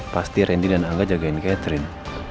pasti randy dan angga jagain catherine